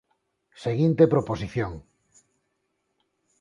Seguinte proposición.